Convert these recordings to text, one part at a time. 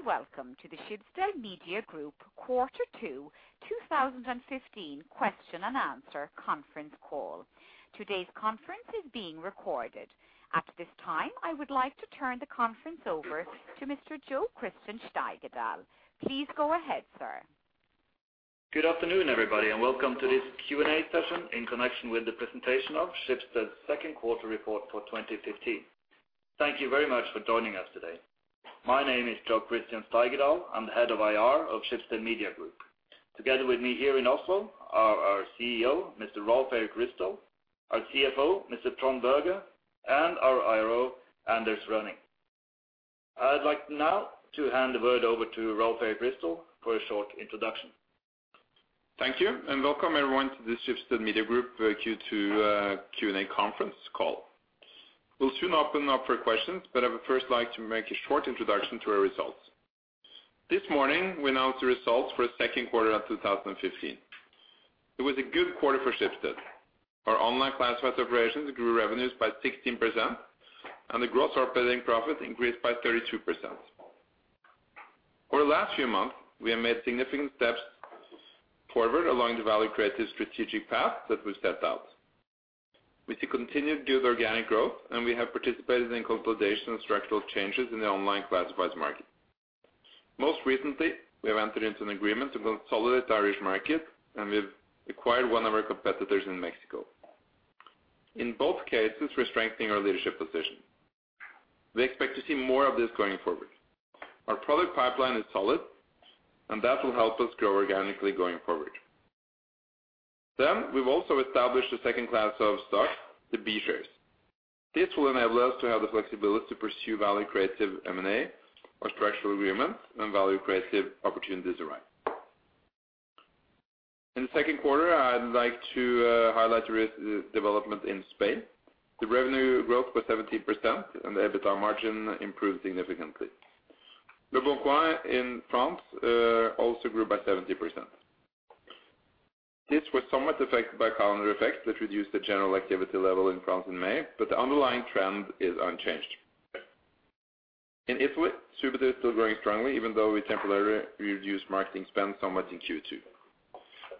Good day, and welcome to the Schibsted Media Group Quarter Two 2015 question-and-answer conference call. Today's conference is being recorded. At this time, I would like to turn the conference over to Mr. Jo Christian Steigedal. Please go ahead, sir. Good afternoon, everybody, and welcome to this Q&A session in connection with the presentation of Schibsted's second quarter report for 2015. Thank you very much for joining us today. My name is Jo Christian Steigedal. I'm the Head of IR of Schibsted Media Group. Together with me here in Oslo are our CEO, Mr. Rolv Erik Ryssdal, our CFO, Mr. Trond Berger, and our IRO, Anders Rønning. I'd like now to hand the word over to Rolv Erik Ryssdal for a short introduction. Thank you. Welcome everyone to the Schibsted Media Group Q2 Q&A conference call. We'll soon open up for questions. I would first like to make a short introduction to our results. This morning, we announced the results for the second quarter of 2015. It was a good quarter for Schibsted. Our online classified operations grew revenues by 16%, and the gross operating profit increased by 32%. Over the last few months, we have made significant steps forward along the value creative strategic path that we set out. We see continued good organic growth, and we have participated in consolidation and structural changes in the online classifieds market. Most recently, we have entered into an agreement to consolidate the Irish market, and we've acquired one of our competitors in Mexico. In both cases, we're strengthening our leadership position. We expect to see more of this going forward. Our product pipeline is solid, and that will help us grow organically going forward. We've also established a second class of stock, the B shares. This will enable us to have the flexibility to pursue value-creative M&A or structural agreements when value-creative opportunities arise. In the second quarter, I'd like to highlight the development in Spain. The revenue growth was 17% and the EBITDA margin improved significantly. leboncoin in France also grew by 70%. This was somewhat affected by calendar effects that reduced the general activity level in France in May, but the underlying trend is unchanged. In Italy, Subito is still growing strongly, even though we temporarily reduced marketing spend somewhat in Q2.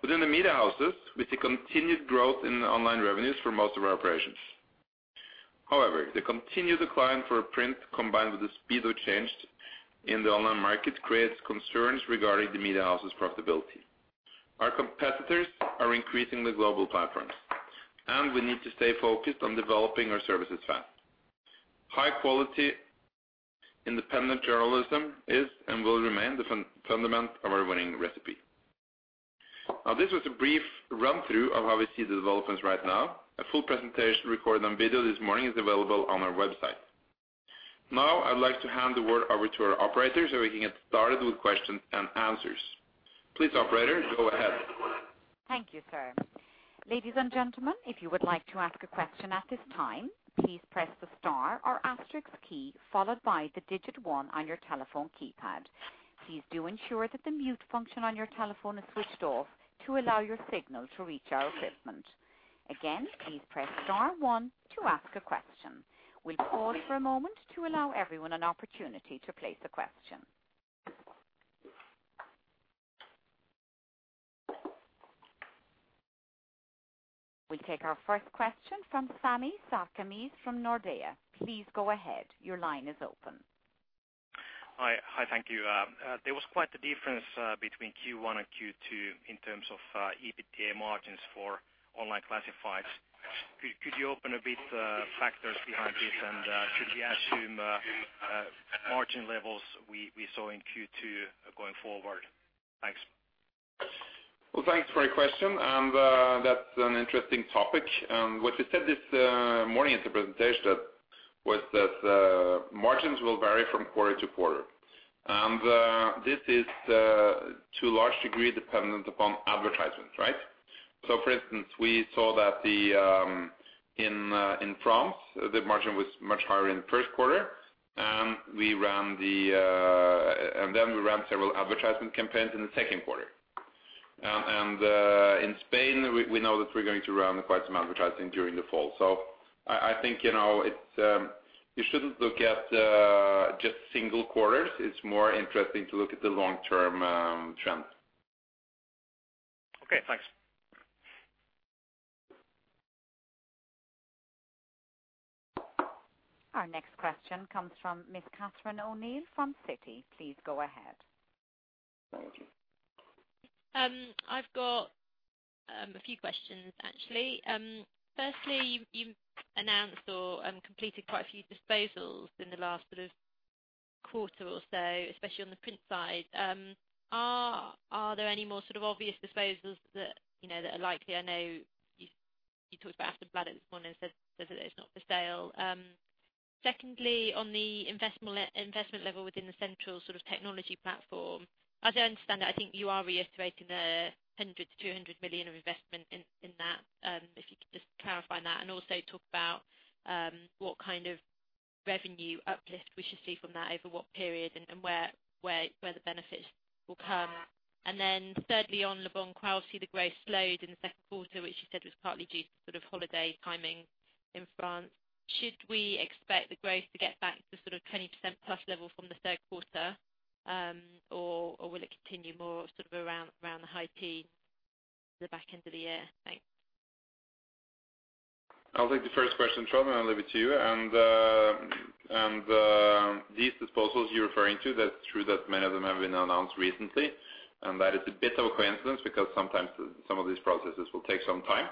Within the media houses, we see continued growth in online revenues for most of our operations. The continued decline for print combined with the speed of change in the online market creates concerns regarding the media houses profitability. Our competitors are increasing the global platforms, and we need to stay focused on developing our services fast. High quality independent journalism is and will remain the fundament of our winning recipe. This was a brief run-through of how we see the developments right now. A full presentation recorded on video this morning is available on our website. I'd like to hand the word over to our operator so we can get started with questions and answers. Please, operator, go ahead. Thank you, sir. Ladies and gentlemen, if you would like to ask a question at this time, please press the star or asterisk key followed by the digit 1 on your telephone keypad. Please do ensure that the mute function on your telephone is switched off to allow your signal to reach our equipment. Again, please press star 1 to ask a question. We'll pause for a moment to allow everyone an opportunity to place a question. We take our first question from Sami Sarkamies from Nordea. Please go ahead. Your line is open. Hi. Hi, thank you. There was quite a difference between Q1 and Q2 in terms of EBITDA margins for online classifieds. Could you open a bit factors behind this and should we assume margin levels we saw in Q2 going forward? Thanks. Well, thanks for your question. That's an interesting topic. What we said this morning at the presentation was that margins will vary from quarter to quarter. This is to a large degree dependent upon advertisements, right? For instance, we saw that the in France, the margin was much higher in the first quarter, and then we ran several advertisement campaigns in the second quarter. In Spain, we know that we're going to run quite some advertising during the fall. I think, you know, it's, you shouldn't look at just single quarters. It's more interesting to look at the long-term trends. Okay, thanks. Our next question comes from Miss Catherine O'Neill from Citi. Please go ahead. Thank you. I've got a few questions actually. Firstly, you've announced or completed quite a few disposals in the last sort of quarter or so, especially on the print side. Are there any more sort of obvious disposals that, you know, that are likely? I know you talked about Aftenbladet this morning and said that it's not for sale. Secondly, on the investment level within the central sort of technology platform, as I understand it, I think you are reiterating the 100 million-200 million of investment in that. If you could just clarify that and also talk about what kind of revenue uplift we should see from that over what period and where the benefits will come. Thirdly, on leboncoin, we see the growth slowed in the second quarter, which you said was partly due to sort of holiday timing. In France, should we expect the growth to get back to sort of 20%+ level from the third quarter? Will it continue more sort of around the high teens, the back end of the year? Thanks. I'll take the first question, Trond, and I'll leave it to you. These disposals you're referring to, that's true that many of them have been announced recently, and that is a bit of a coincidence because sometimes some of these processes will take some time.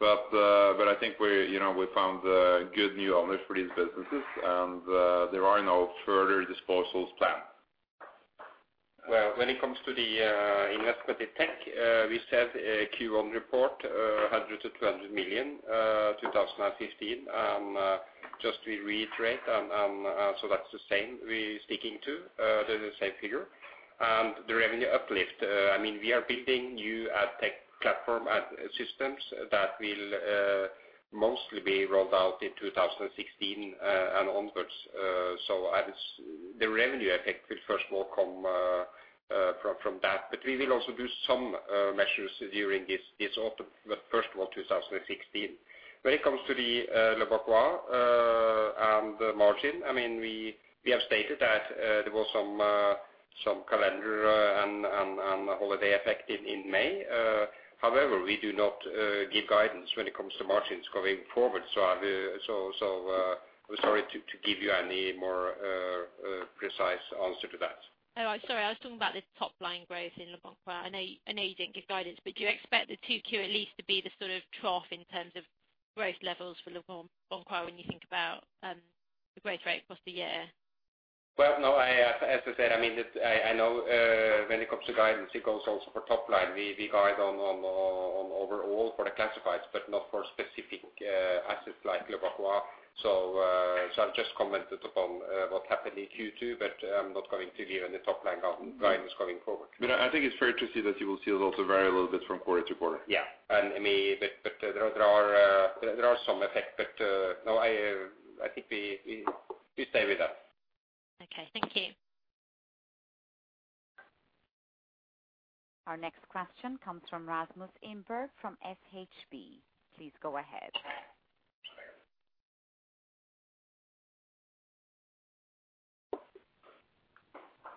I think we're, you know, we found good new owners for these businesses, and there are no further disposals planned. Well, when it comes to the investment in tech, we said in Q1 report, 100 million-200 million, 2015. Just to reiterate, that's the same we're sticking to, the same figure. The revenue uplift, I mean, we are building new ad tech platform ad systems that will mostly be rolled out in 2016 and onwards. As the revenue effect will first of all come from that. We will also do some measures during this autumn, but first of all, 2016. When it comes to the Leboncoin and the margin, I mean, we have stated that there was some calendar and holiday effect in May. However, we do not give guidance when it comes to margins going forward. I'll, I'm sorry to give you any more precise answer to that. Oh, sorry. I was talking about the top-line growth in Leboncoin. I know you didn't give guidance, but do you expect the 2Q at least to be the sort of trough in terms of growth levels for Leboncoin when you think about the growth rate across the year? No, as I said, I mean, it, I know when it comes to guidance, it goes also for top line. We guide on overall for the classifieds, but not for specific assets like leboncoin. I've just commented upon what happened in Q2, but I'm not going to give any top-line guidance going forward. I think it's fair to say that you will see the results vary a little bit from quarter to quarter. Yeah. I mean, but there are some effect. No, I think we stay with that. Okay, thank you. Our next question comes from Rasmus Engberg from SHB. Please go ahead.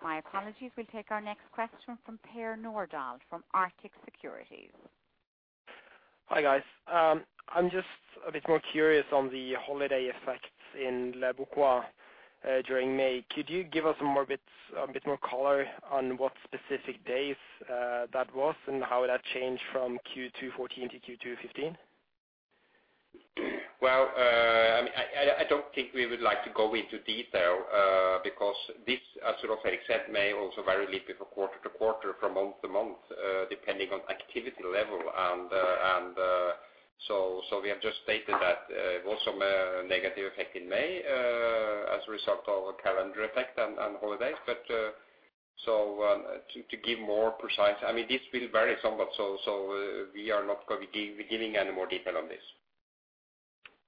My apologies. We'll take our next question from Per Nordal from Arctic Securities. Hi, guys. I'm just a bit more curious on the holiday effects in leboncoin, during May. Could you give us more bits, a bit more color on what specific days, that was and how that changed from Q2 2014 to Q2 2015? Well, I mean, I don't think we would like to go into detail, because this, as Rolv-Erik said, May also vary a little bit from quarter to quarter, from month to month, depending on activity level. We have just stated that it was some negative effect in May as a result of calendar effect and holidays. To give more precise... I mean, this will vary somewhat, so, we are not going be giving any more detail on this.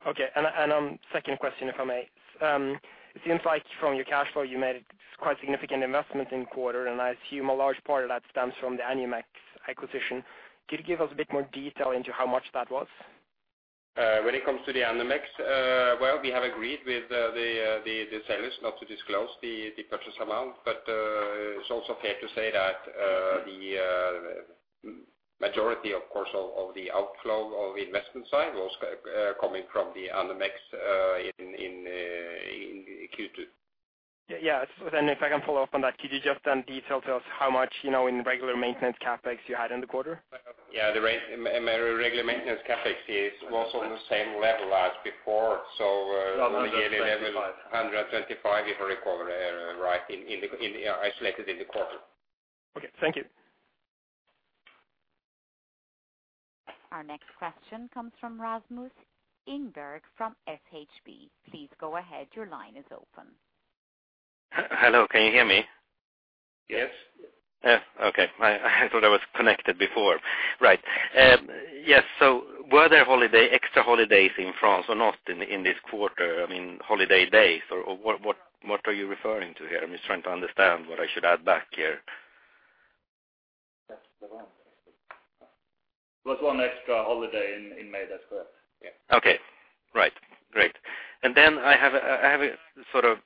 Okay. And, and, second question, if I may. It seems like from your cash flow, you made quite significant investments in quarter, and I assume a large part of that stems from the Anuntis acquisition. Could you give us a bit more detail into how much that was? When it comes to the Anuntis, well, we have agreed with the sellers not to disclose the purchase amount. It's also fair to say that, the majority of course of the outflow of investment side was coming from the Anuntis in Q2. Yeah. Yeah. If I can follow up on that, could you just then detail to us how much, you know, in regular maintenance CapEx you had in the quarter? Yeah. The regular maintenance CapEx was on the same level as before. Around the 125. 125, if I recall, right, in the, in, isolated in the quarter. Okay, thank you. Our next question comes from Rasmus Engberg from SHB. Please go ahead. Your line is open. Hello? Can you hear me? Yes. Okay. I thought I was connected before. Right. Yes. Were there holiday, extra holidays in France or not in this quarter? I mean, holiday days or what are you referring to here? I'm just trying to understand what I should add back here. There was one. There was one extra holiday in May. That's correct. Yeah. Okay. Right. Great. I have a sort of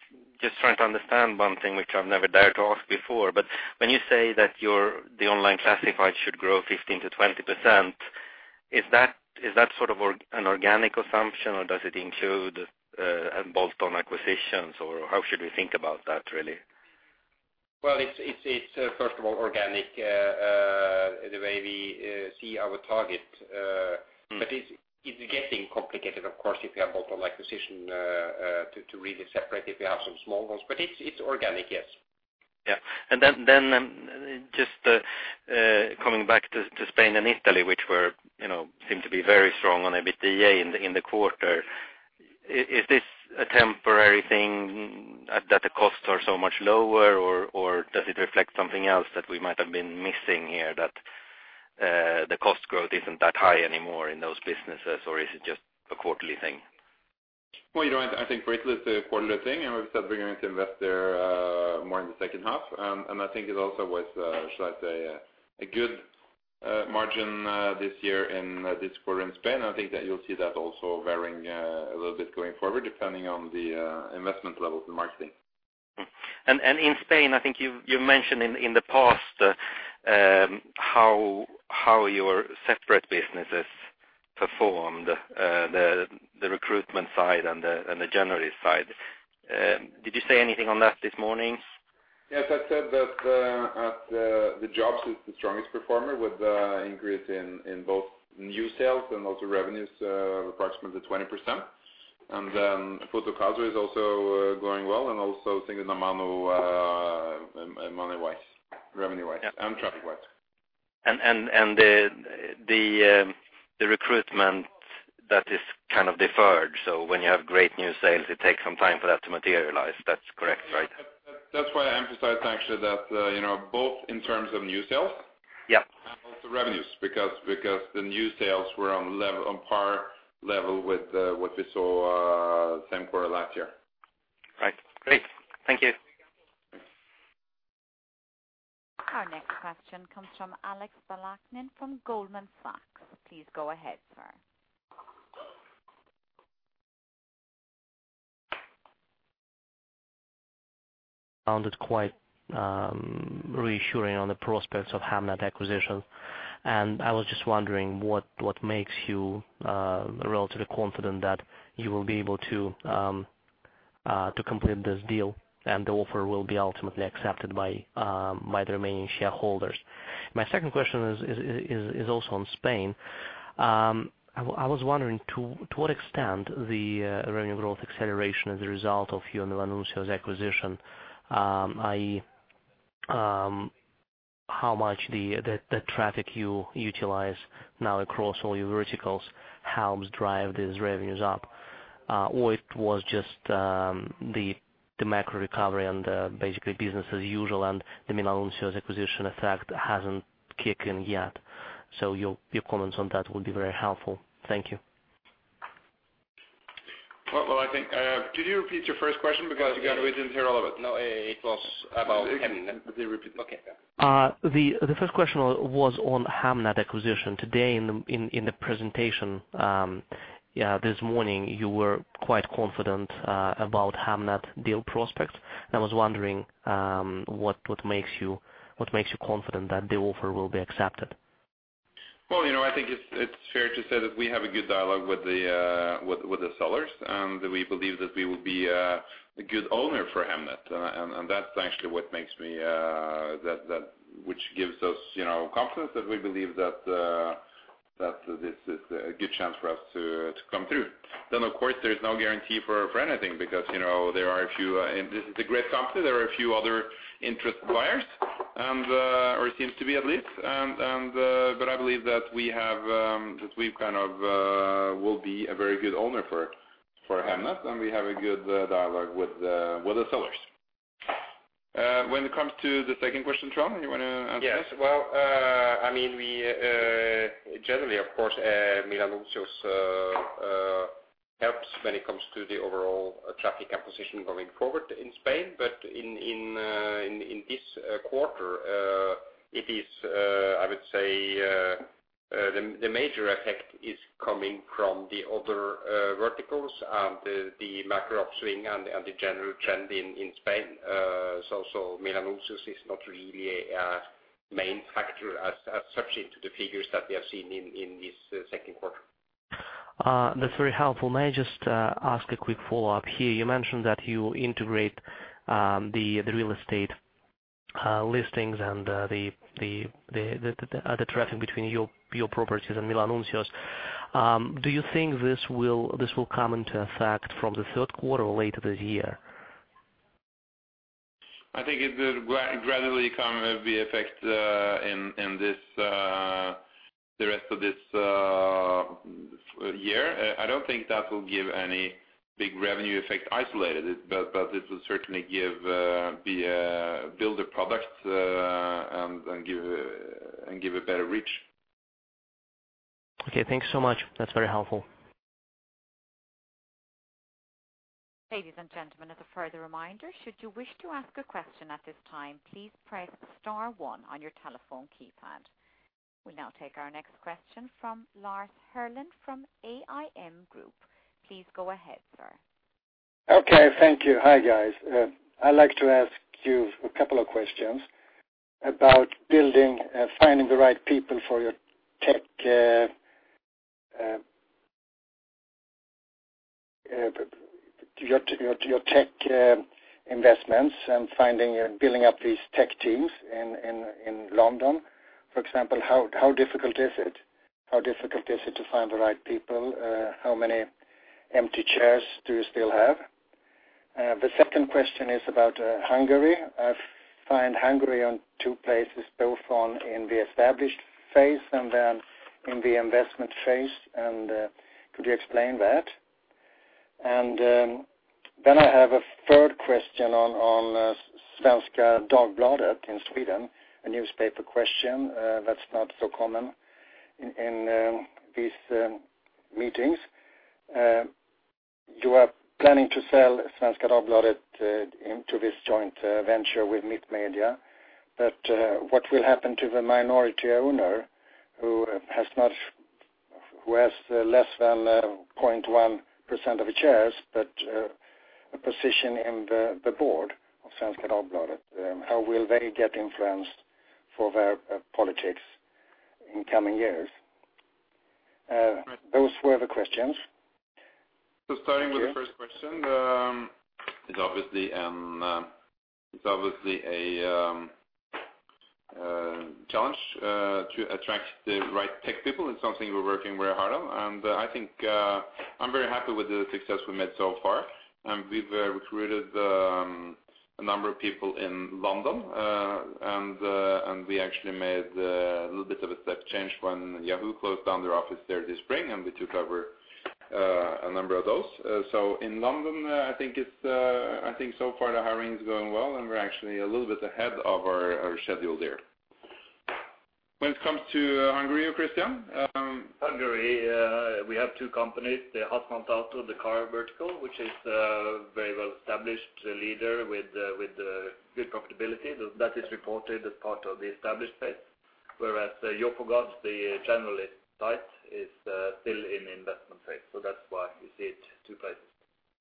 just trying to understand one thing which I've never dared to ask before, but when you say that your, the online classifieds should grow 15%-20%, is that, is that sort of an organic assumption or does it include any bolt-on acquisitions or how should we think about that really? It's first of all, organic, the way we see our target. Mm. It's getting complicated, of course, if you have bolt-on acquisition to really separate if you have some small ones, but it's organic, yes. Yeah. Just coming back to Spain and Italy, which were, you know, seemed to be very strong on EBITDA in the quarter. Is this a temporary thing that the costs are so much lower or does it reflect something else that we might have been missing here that the cost growth isn't that high anymore in those businesses, or is it just a quarterly thing? Well, you know what? I think for Italy it's a quarterly thing, and we've started bringing to invest there, more in the second half. I think it also was, shall I say, a good margin this year in this quarter in Spain. I think that you'll see that also varying a little bit going forward, depending on the investment level of the marketing. In Spain, I think you mentioned in the past, how your separate businesses performed, the recruitment side and the generalist side. Did you say anything on that this morning? I said that, at the InfoJobs is the strongest performer with increase in both new sales and also revenues, approximately 20%. Fotocasa is also growing well and also thinking in the revenue-wise and traffic-wise. The recruitment that is kind of deferred. When you have great new sales, it takes some time for that to materialize. That's correct, right? That's why I emphasize actually that, you know, both in terms of new sales. Yeah. Also revenues, because the new sales were on par level with what we saw same quarter last year. Right. Great. Thank you. Our next question comes from Alex Balakhnin from Goldman Sachs. Please go ahead, sir. Sounded quite reassuring on the prospects of Hemnet acquisition. I was just wondering what makes you relatively confident that you will be able to complete this deal and the offer will be ultimately accepted by the remaining shareholders. My second question is also on Spain. I was wondering to what extent the revenue growth acceleration is a result of Milanuncios acquisition, i.e., how much the traffic you utilize now across all your verticals helps drive these revenues up? It was just the macro recovery and basically business as usual and the Milanuncios acquisition effect hasn't kicked in yet. Your comments on that would be very helpful. Thank you. Well, I think, could you repeat your first question because, again, we didn't hear all of it. No, it was about Hemnet. Could you repeat? Okay. The first question was on Hemnet acquisition. Today in the presentation, yeah, this morning, you were quite confident about Hemnet deal prospects. I was wondering what makes you confident that the offer will be accepted? You know, I think it's fair to say that we have a good dialogue with the sellers, and we believe that we would be a good owner for Hemnet. That's actually what makes me which gives us, you know, confidence that we believe that this is a good chance for us to come through. Of course, there is no guarantee for anything because, you know, there are a few, and this is a great company. There are a few other interest buyers and or seems to be at least. But I believe that we have that we've kind of will be a very good owner for Hemnet, and we have a good dialogue with the sellers. When it comes to the second question, Trond, you wanna answer this? Yes. Well, I mean, we generally, of course, Milanuncios helps when it comes to the overall traffic acquisition going forward in Spain. In this quarter, it is, I would say, the major effect is coming from the other verticals and the general trend in Spain. Milanuncios is not really a main factor as such into the figures that we have seen in this second quarter. That's very helpful. May I just ask a quick follow-up here? You mentioned that you integrate the real estate listings and the traffic between your properties and Milanuncios. Do you think this will come into effect from the third quarter or later this year? I think it will gradually come be effect in this, the rest of this year. I don't think that will give any big revenue effect isolated, but it will certainly give the build the products and give a better reach. Okay, thanks so much. That's very helpful. Ladies and gentlemen, as a further reminder, should you wish to ask a question at this time, please press star one on your telephone keypad. We'll now take our next question from Lars Herlin from AIM Group. Please go ahead, sir. Okay. Thank you. Hi, guys. I'd like to ask you a couple of questions about building, finding the right people for your tech, your tech investments and finding and building up these tech teams in London. For example, how difficult is it to find the right people? How many empty chairs do you still have? The 2nd question is about Hungary. I find Hungary on 2 places, both in the established phase and then in the investment phase. Could you explain that? I have a 3rd question on Svenska Dagbladet in Sweden, a newspaper question that's not so common in these meetings. You are planning to sell Svenska Dagbladet into this joint venture with Mittmedia. What will happen to the minority owner who has less than 0.1% of the shares, but a position in the board of Svenska Dagbladet? How will they get influenced for their politics in coming years? Those were the questions. Starting with the first question, it's obviously a challenge to attract the right tech people. It's something we're working very hard on. I think I'm very happy with the success we made so far. We've recruited a number of people in London. We actually made a little bit of a step change when Yahoo closed down their office there this spring, and we took over a number of those. In London, I think it's I think so far the hiring is going well, and we're actually a little bit ahead of our schedule there. When it comes to Hungary, Christian. Hungary, we have two companies, the Használtautó.hu, the car vertical, which is very well established leader with good profitability. That is reported as part of the established space. Whereas Jófogás, the generalist site, is still in investment phase. That's why you see it two places.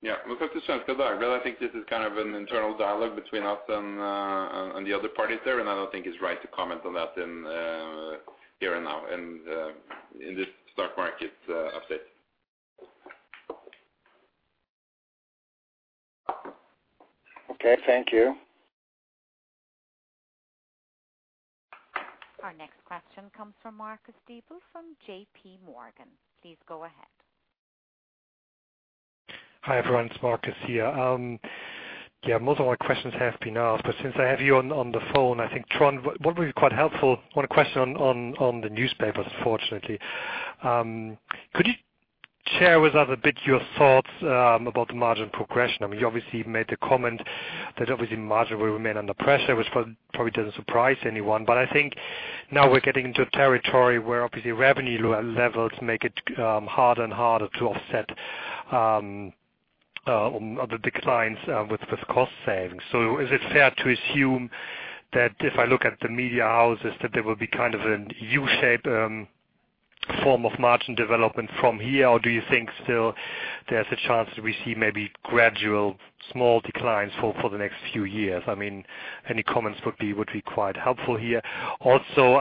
Yeah. When it comes to Svenska Dagbladet, I think this is kind of an internal dialogue between us and the other parties there. I don't think it's right to comment on that in here and now in this stock market update. Okay, thank you. Our next question comes from Markus Diebel from JP Morgan. Please go ahead. Hi, everyone. It's Markus here. Yeah, most of my questions have been asked, but since I have you on the phone, I think, Trond, what would be quite helpful, one question on the newspapers, fortunately. Could you share with us a bit your thoughts about the margin progression? I mean, you obviously made the comment that obviously margin will remain under pressure, which probably doesn't surprise anyone. I think now we're getting into a territory where obviously revenue levels make it harder and harder to offset on the declines with cost savings. Is it fair to assume that if I look at the media houses, that there will be kind of a U-shaped form of margin development from here? Do you think still there's a chance that we see maybe gradual small declines for the next few years? I mean, any comments would be quite helpful here. Also,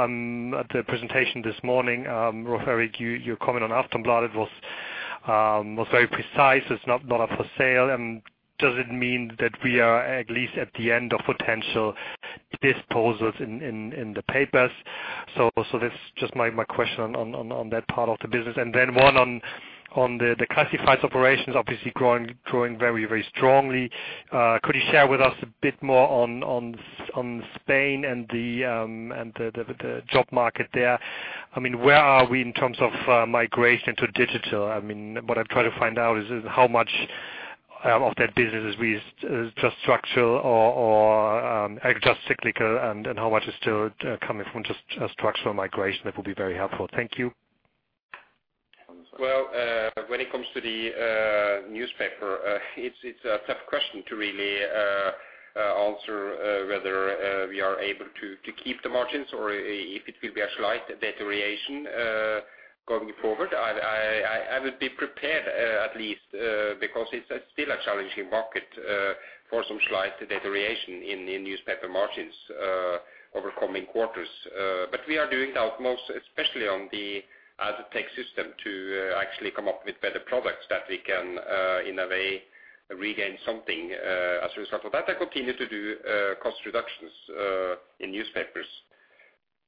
at the presentation this morning, Rolv-Erik, your comment on Aftonbladet was very precise. It's not up for sale. Does it mean that we are at least at the end of potential disposals in the papers? That's just my question on that part of the business. One on the classifieds operations obviously growing very, very strongly. Could you share with us a bit more on Spain and the job market there? I mean, where are we in terms of migration to digital? I mean, what I'm trying to find out is how much of that business is just structural or just cyclical, and how much is still coming from just a structural migration? That would be very helpful. Thank you. Well, when it comes to the newspaper, it's a tough question to really answer whether we are able to keep the margins or if it will be a slight deterioration going forward. I would be prepared at least because it's still a challenging market for some slight deterioration in newspaper margins over coming quarters. We are doing the utmost, especially on the ad tech system, to actually come up with better products that we can in a way regain something as a result of that, and continue to do cost reductions in newspapers.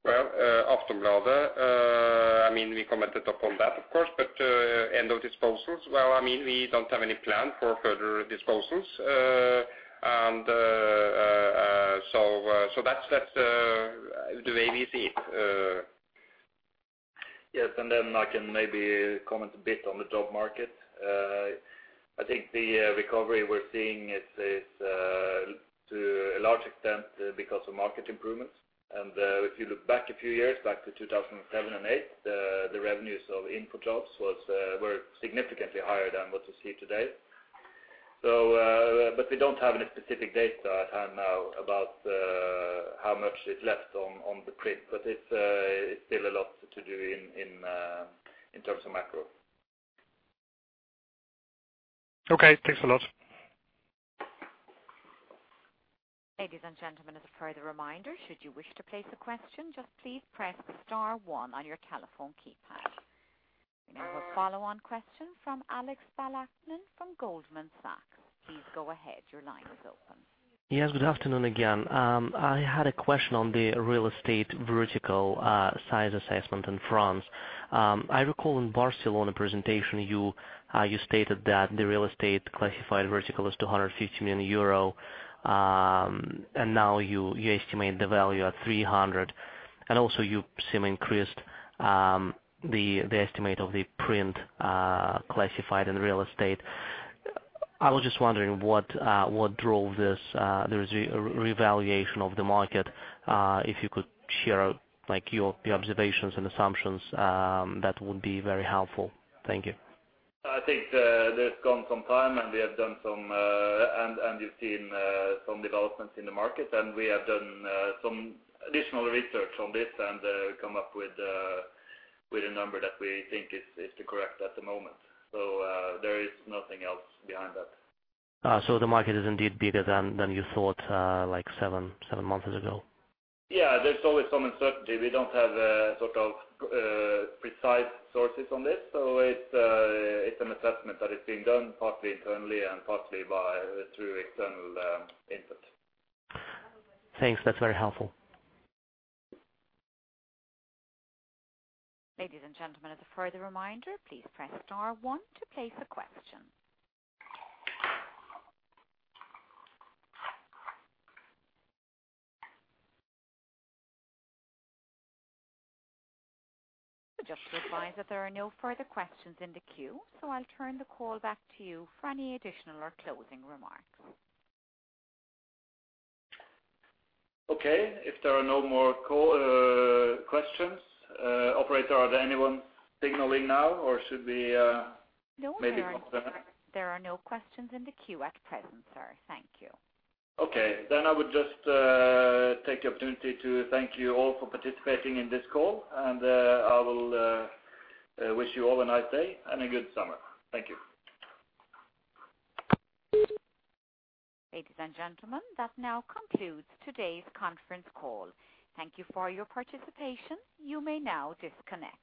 Well, Aftonbladet, I mean, we commented upon that, of course, end of disposals, well, I mean, we don't have any plan for further disposals. so that's the way we see it. Then I can maybe comment a bit on the job market. I think the recovery we're seeing is to a large extent because of market improvements. If you look back a few years, back to 2007 and 2008, the revenues of InfoJobs was significantly higher than what you see today. But we don't have any specific data at hand now about how much is left on the print, but it's still a lot to do in terms of macro. Okay, thanks a lot. Ladies and gentlemen, as a further reminder, should you wish to place a question, just please press star one on your telephone keypad. We now have a follow-on question from Alex Balakhnin from Goldman Sachs. Please go ahead. Your line is open. Good afternoon again. I had a question on the real estate vertical, size assessment in France. I recall in Barcelona presentation, you stated that the real estate classified vertical is 250 million euro. Now you estimate the value at 300 million. Also you seem increased the estimate of the print classified in real estate. I was just wondering what drove this revaluation of the market, if you could share like your observations and assumptions, that would be very helpful. Thank you. I think there's gone some time, and we have done some. You've seen some developments in the market, and we have done some additional research on this and come up with with a number that we think is the correct at the moment. There is nothing else behind that. The market is indeed bigger than you thought, like 7 months ago? Yeah. There's always some uncertainty. We don't have, sort of, precise sources on this. It's an assessment that is being done partly internally and partly through external input. Thanks. That's very helpful. Ladies and gentlemen, as a further reminder, please press star one to place a question. Just to advise that there are no further questions in the queue, I'll turn the call back to you for any additional or closing remarks. Okay. If there are no more call questions, operator, are there anyone signaling now or should we? No, there are none. There are no questions in the queue at present, sir. Thank you. Okay. I would just take the opportunity to thank you all for participating in this call, and I will wish you all a nice day and a good summer. Thank you. Ladies and gentlemen, that now concludes today's conference call. Thank you for your participation. You may now disconnect.